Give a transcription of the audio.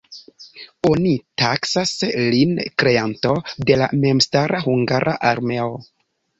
Oni taksas lin kreanto de la memstara hungara armeo.